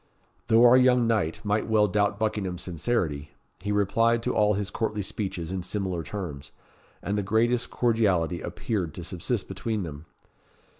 Though our young knight might well doubt Buckingham's sincerity; he replied to all his courtly speeches in similar terms, and the greatest cordiality appeared to subsist between them.